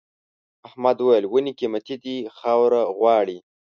احمد وويل: ونې قيمتي دي خاوره غواړي.